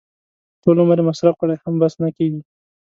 ټول عمر یې مصرف کړي هم بس نه کېږي.